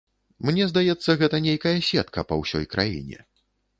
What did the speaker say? Мне здаецца, гэта нейкая сетка па ўсёй краіне.